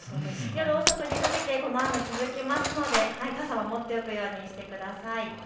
夜遅くにかけてこの雨、続きますので傘は持っておくようにしてください。